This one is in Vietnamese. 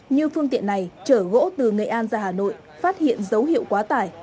như phương tiện này chở gỗ từ nghệ an ra hà nội phát hiện dấu hiệu quá tải